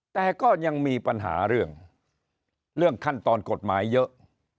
แต่ก็ยังมีปัญหาเรื่องเรื่องขั้นตอนกฎหมายเยอะ